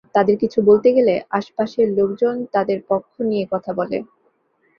তাদের কিছু বলতে গেলে আশপাশের লোকজন তাদের পক্ষ নিয়ে কথা বলে।